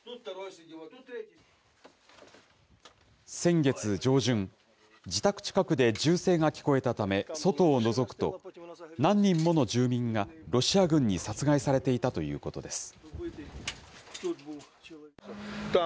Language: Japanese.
先月上旬、自宅近くで銃声が聞こえたため、外をのぞくと、何人もの住民がロシア軍に殺害されていたということです。